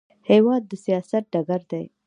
هېواد د سیاست ډګر دی.